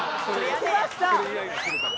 着きました！